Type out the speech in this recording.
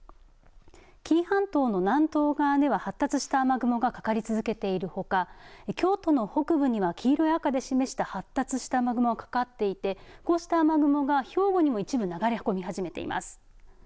紀伊半島の南東側では発達した雨雲がかかり続けているほか京都の北部には黄色や赤で示した発達した雨雲がかかっていてこうした雨雲が兵庫にも一部流れ込み始めています。